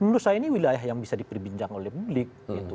menurut saya ini wilayah yang bisa diperbincang oleh publik